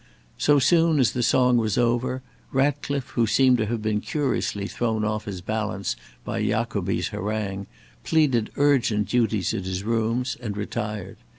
So soon as the song was over, Ratcliffe, who seemed to have been curiously thrown off his balance by Jacobi's harangue, pleaded urgent duties at his rooms, and retired.